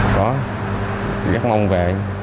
có rất mong về